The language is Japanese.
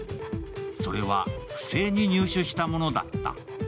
それは不正に入手したものだった。